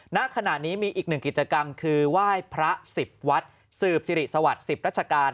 ณขณะนี้มีอีกหนึ่งกิจกรรมคือไหว้พระ๑๐วัดสืบสิริสวัสดิ์๑๐ราชการ